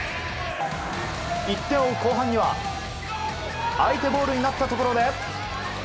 １点を追う後半には、相手ボールになったところで。